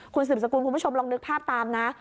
คุณสืบสกุลคุณผู้ชมลองนึกภาพตามนะ